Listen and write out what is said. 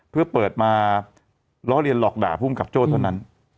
เพื่อเปิดมาล้อเลียนหลอกด่าภูมิกับโจ้เท่านั้น